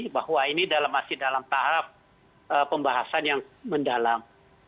bahwa ini masih dalam tahap pembahasan yang mendalam